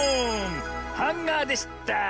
ハンガーでした！